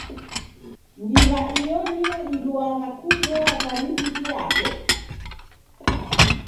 Ndiw'a iyo niyo iduagha kuzoya kwa riziki yape.